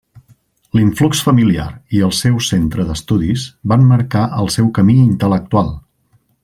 L'influx familiar i el seu centre d'estudis van marcar el seu camí intel·lectual.